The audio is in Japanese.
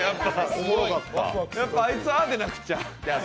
やっぱあいつはああでなくっちゃ。